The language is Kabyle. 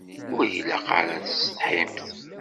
Ur ilaq ara ad tessetḥimt.